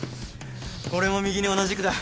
俺も右に同じくだ。